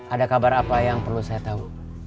ada kabar apa yang perlu saya tahu